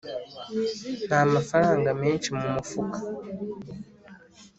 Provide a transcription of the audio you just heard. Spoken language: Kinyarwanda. Ntamafaranga menshi mu mufuka,